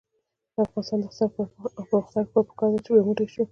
د افغانستان د اقتصادي پرمختګ لپاره پکار ده چې یو موټی شو.